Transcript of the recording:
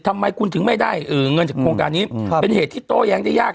ทำไมคุณถึงไม่ได้เงินจากโครงการนี้เป็นเหตุที่โต้แย้งได้ยาก